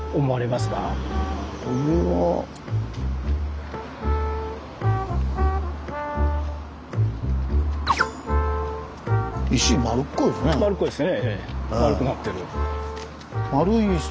まるくなってる。